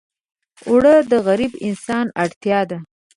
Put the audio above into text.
اوړه د غریب انسان اړتیا ده